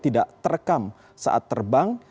tidak terekam saat terbang